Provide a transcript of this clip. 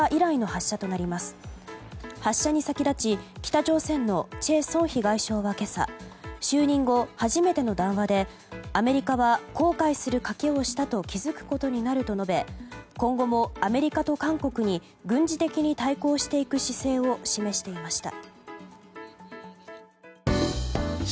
発射に先立ち北朝鮮のチェ・ソンヒ外相は今朝就任後初めての談話でアメリカは後悔する賭けをしたと気づくことになると述べ今後もアメリカと韓国に軍事的に対抗していく姿勢を示していました。